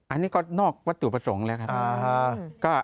อันนี้ก็นอกวัตถุประสงค์แล้วครับ